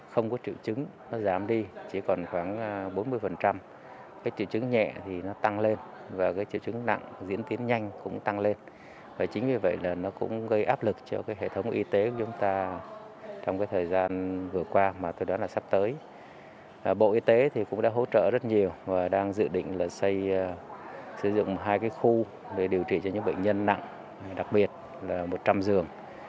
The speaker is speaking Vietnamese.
hai khu để điều trị cho những bệnh nhân nặng đặc biệt là một trăm linh giường